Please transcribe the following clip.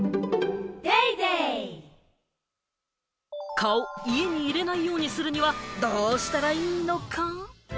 蚊を家に入れないようにするには、どうしたらいいのか？